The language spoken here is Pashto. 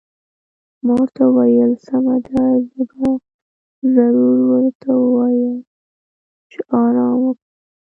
ما ورته وویل: سمه ده، زه به ضرور ورته ووایم چې ارام وکړي.